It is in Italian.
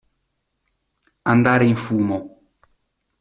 Andare in fumo.